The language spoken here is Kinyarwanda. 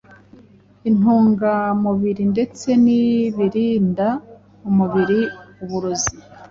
intungamubiri ndetse n’ibirinda umubiri uburozi